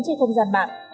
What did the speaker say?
nhưng không gian mạng